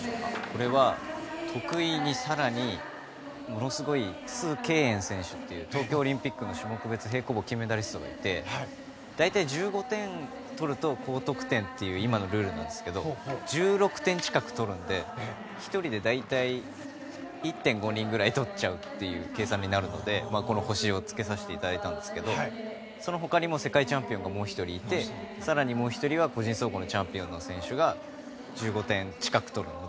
これは得意に、更にものすごいスウ・ケイエン選手という東京オリンピックの種目別平行棒金メダリストがいて大体１５点を取ると高得点という今のルールなんですけど１６点近くとるので１人で大体１．５人ぐらいとっちゃうという計算になるので★をつけさせていただいたんですけどそのほかにも世界チャンピオンがもう１人いて、更にもう１人はチャンピオンの選手が１５点近く取ります。